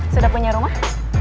sudah punya rumah